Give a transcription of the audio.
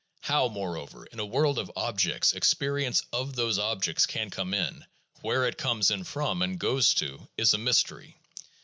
How, moreover, in a world of objects experience of those objects can come in, where it comes from and goes to, is a mystery.